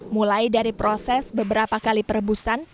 mulai dari proses beberapa kali perebusan